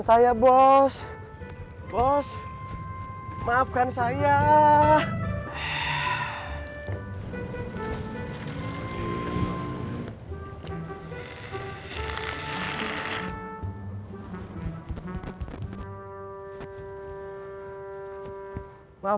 masih ada yang mau